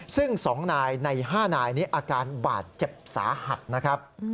ซึ่ง๒นายใน๕นายนี้อาการบาดเจ็บสาหัสนะครับ